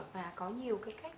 và có nhiều cái cách